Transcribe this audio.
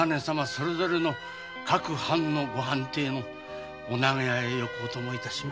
それぞれの各藩邸の長屋へよくお供致しました。